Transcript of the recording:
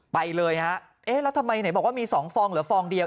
ไปเลยฮะเอ๊ะแล้วทำไมไหนบอกว่ามี๒ฟองเหลือฟองเดียว